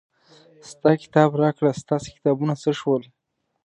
ستا کتاب راکړه ستاسې کتابونه څه شول.